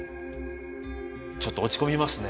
ちょっと落ち込みますね。